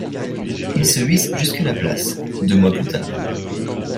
Il se hisse jusqu'à la place, deux mois plus tard.